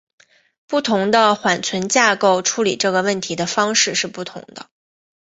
不同的缓存架构处理这个问题的方式是不同的。